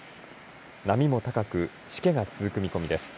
波も高くしけが続く見込みです。